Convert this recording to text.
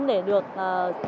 để được chăm sóc cây xanh